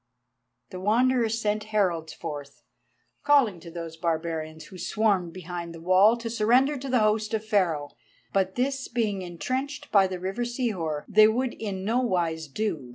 The Wanderer sent heralds forward, calling to those barbarians who swarmed behind the wall to surrender to the host of Pharaoh, but this, being entrenched by the river Sihor, they would in nowise do.